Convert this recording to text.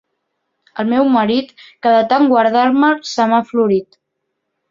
El meu marit, que de tant guardar-me'l se m'ha florit.